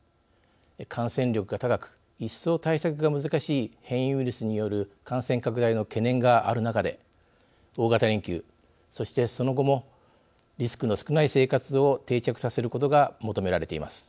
感染力が高く一層対策が難しい変異ウイルスによる感染拡大の懸念がある中で大型連休、そしてその後もリスクの少ない生活を定着させることが求められています。